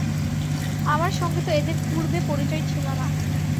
আমার সঙ্গে তো এঁদের পূর্বে পরিচয় ছিল না।